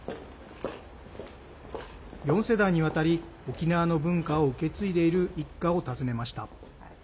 ４世代にわたり、沖縄の文化を受け継いでいる一家を訪ねました。